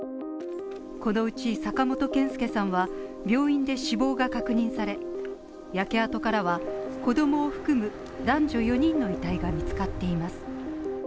このうち坂本憲介さんは病院で死亡が確認され焼け跡からは子供を含む男女４人の遺体が見つかっています。